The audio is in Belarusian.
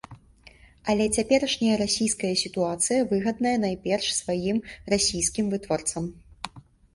Але цяперашняя расійская сітуацыя выгадная найперш самім расійскім вытворцам.